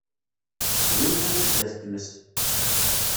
Sgunfant sdat tmes.